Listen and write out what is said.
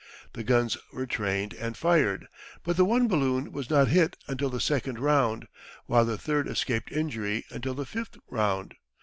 The guns were trained and fired, but the one balloon was not hit until the second round, while the third escaped injury until the fifth round.